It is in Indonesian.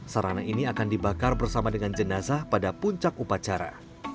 sarana ini akan dibakar bersama dengan jenazah pada puncak upacara